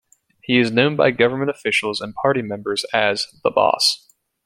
He is known by government officials and party members as "the Boss".